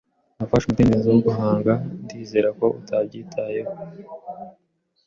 Nafashe umudendezo wo guhanga. Ndizera ko utabyitayeho.